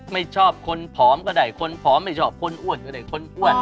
ไม่ชอบคนผอมก็ได้คนผอมไม่ชอบคนอ้วนก็ได้คนอ้วน